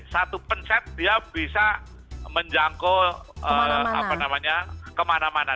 satu pencet dia bisa menjangkau kemana mana